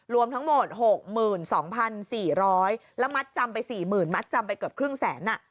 รวมทั้งหมด๖๒๔๐๐แล้วมัดจำไป๔๐๐๐มัดจำไปเกือบครึ่งแสน